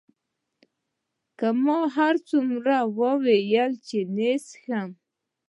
که ما هرڅومره وویل چې نه یې څښم.